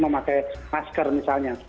memakai masker misalnya